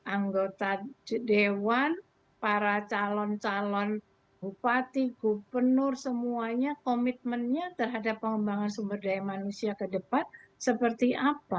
anggota dewan para calon calon bupati gubernur semuanya komitmennya terhadap pengembangan sumber daya manusia ke depan seperti apa